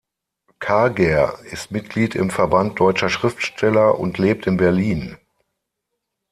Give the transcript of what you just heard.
Karger ist Mitglied im Verband deutscher Schriftsteller und lebt in Berlin.